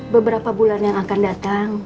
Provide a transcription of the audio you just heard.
beberapa bulan yang akan datang